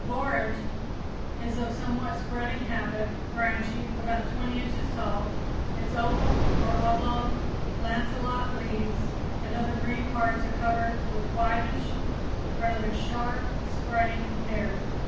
_ Borage is of somewhat spreading habit, branchy, about 20 inches tall. Its oval or oblong lanceolate leaves and other green parts are covered with whitish, rather sharp, spreading hairs.